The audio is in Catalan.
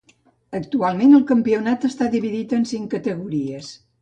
Actualment el campionat està dividit en cinc categories.